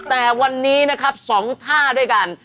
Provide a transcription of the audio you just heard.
แต่วันนี้นะครับ๒ท่าด้วยกัน